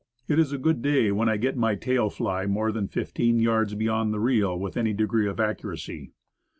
It is a good day when I get my tail fly more than fifteen yards beyond the reel, with any degree of accuracy.